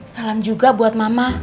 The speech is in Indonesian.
salam juga buat mama